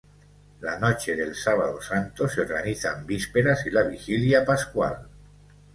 La noche del Sábado Santo se organizan Vísperas y la Vigilia Pascual.